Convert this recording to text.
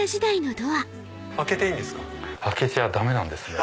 開けていいんですか？